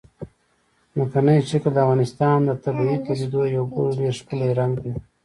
ځمکنی شکل د افغانستان د طبیعي پدیدو یو بل ډېر ښکلی رنګ دی.